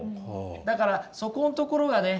だからそこんところがね